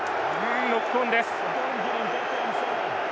ノックオンです。